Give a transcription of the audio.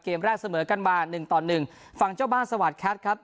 เกมแรกเสมอกันมาหนึ่งต่อหนึ่งฝั่งเจ้าบ้านสวัสดิแคทครับ